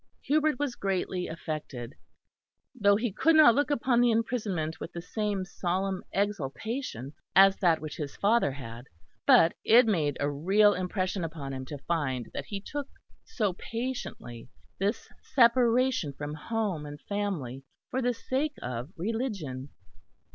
Hubert was greatly affected; though he could not look upon the imprisonment with the same solemn exultation as that which his father had; but it made a real impression upon him to find that he took so patiently this separation from home and family for the sake of religion.